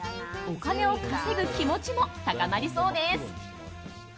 お金を稼ぐ気持ちも高まりそうです。